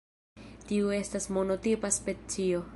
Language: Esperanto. Tiu estas monotipa specio.